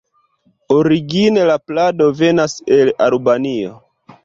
Origine la plado venas el Albanio.